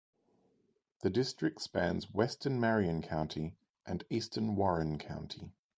The district spans western Marion County and eastern Warren County.